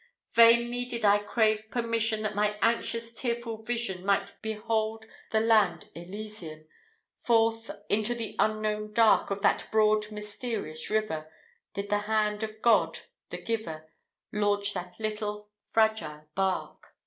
Vainly did I crave permission, That my anxious, tearful vision, Might behold the land Elysian Forth into the unknown dark, On that broad, mysterious river, Did the hand of God, the Giver, Launch that little, fragile bark.